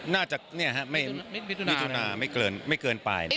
น่าจะไม่ถุนาไม่เกินไป